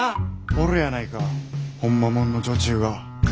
おるやないかほんまもんの女中が。